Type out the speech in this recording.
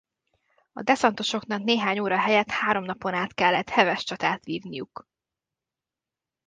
A deszantosoknak néhány óra helyett három napon át kellett heves csatát vívniuk.